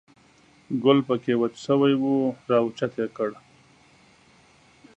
ګل په کې وچ شوی و، را اوچت یې کړ.